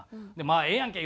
「まあええやんけ」